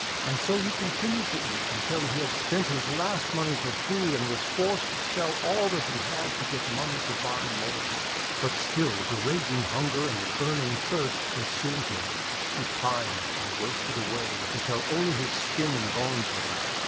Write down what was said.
And so he continued to eat until he had spent his last money for food and was forced to sell all that he had to get money to buy more. But still the raging hunger and the burning 326 THE WONDER GARDEN thirst consumed him. He pined and wasted away until only his skin and bones were left.